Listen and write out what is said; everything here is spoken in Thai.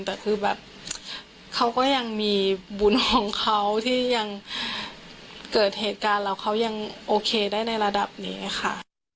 แต่คือแบบเขาก็ยังมีบุญของเขาที่ยังเกิดเหตุการณ์แล้วเขายังโอเคได้ในระดับนี้ค่ะ